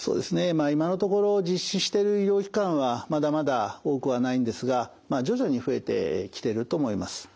まあ今のところ実施している医療機関はまだまだ多くはないんですがまあ徐々に増えてきてると思います。